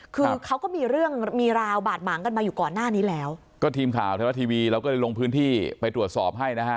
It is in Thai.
คือเขาก็มีเรื่องมีราวบาดหมางกันมาอยู่ก่อนหน้านี้แล้วก็ทีมข่าวไทยรัฐทีวีเราก็เลยลงพื้นที่ไปตรวจสอบให้นะฮะ